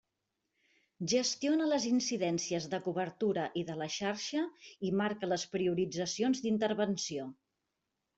Gestiona les incidències de cobertura i de la xarxa i marca les prioritzacions d'intervenció.